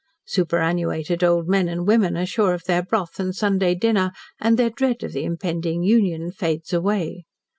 Superannuated old men and women are sure of their broth and Sunday dinner, and their dread of the impending "Union" fades away.